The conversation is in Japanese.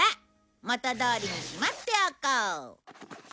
元どおりにしまっておこう。